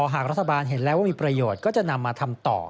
หากรัฐบาลเห็นแล้วว่ามีประโยชน์ก็จะนำมาทำต่อ